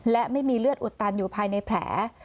และไม่มีเลือดอุดตันอยู่ภายในแผล